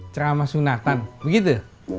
cerama sunatan begitu